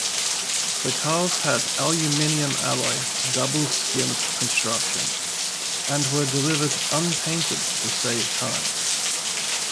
The cars had an aluminium-alloy double-skinned construction, and were delivered unpainted to save time.